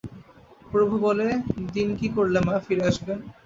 প্রভু, বলে দিন কী করলে মা ফিরে আসবেন।